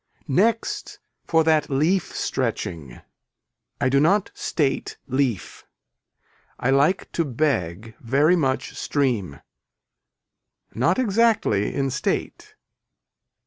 Next for that leaf stretching. I do not state leaf. I like to beg very much stream. Not exactly in state.